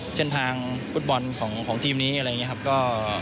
เส้นทางฟุตบอลของทีมนี้อะไรอย่างนี้ครับ